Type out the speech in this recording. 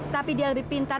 tapi dia lebih pintar